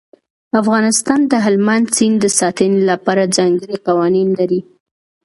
افغانستان د هلمند سیند د ساتنې لپاره ځانګړي قوانین لري.